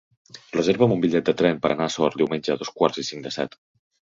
Reserva'm un bitllet de tren per anar a Sort diumenge a dos quarts i cinc de set.